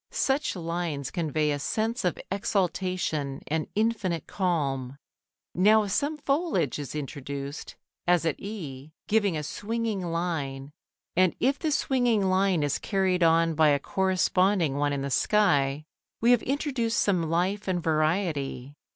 Such lines convey a sense of exaltation and infinite calm. Now if some foliage is introduced, as at E, giving a swinging line, and if this swinging line is carried on by a corresponding one in the sky, we have introduced some life and variety.